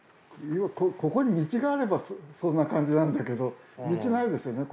ここに道があればそんな感じなんだけど道ないですよね